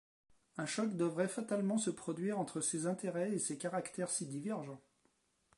Un choc devait fatalement se produire entre ces intérêts et ces caractères si divergents.